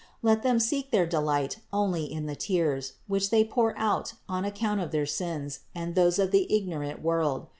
Let them seek their delight only in the tears, which they pour out on account of their sins and those of the igno rant world.